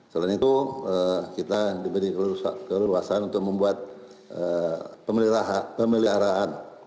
selain itu kita diberi keleluasan untuk membuat pemeliharaan